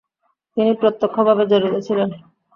তিনি প্রত্যক্ষভাবে জড়িত ছিলেন।